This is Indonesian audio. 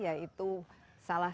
yang berbeda dengan orang lain